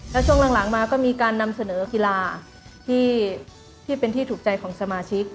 แล้วช่วงหลังมาก็มีการนำเสนอกีฬาที่เป็นที่ถูกใจของสมาชิก